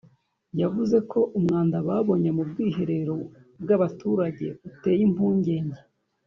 yavuze ko umwanda babonye mu bwiherero bw’abaturage uteye impungenge